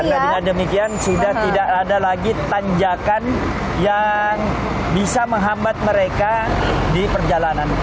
karena dengan demikian sudah tidak ada lagi tanjakan yang bisa menghambat mereka di perjalanan